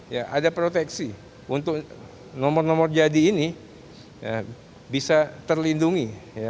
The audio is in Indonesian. ya ada proteksi untuk nomor nomor jadi ini bisa terlindungi